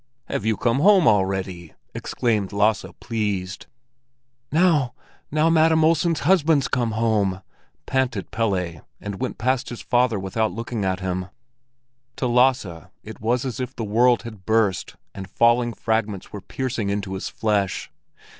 "Have you come home already?" exclaimed Lasse, pleased. "Now—now Madam Olsen's husband's come home!" panted Pelle, and went past his father without looking at him. To Lasse it was as if the world had burst and the falling fragments were piercing into his flesh.